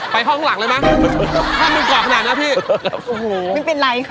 ห้องข้างหลังเลยมั้งถ้ามันกรอบขนาดนั้นพี่โอ้โหไม่เป็นไรค่ะ